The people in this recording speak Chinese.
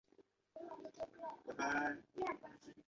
电影的部份灵感是来自小说红字。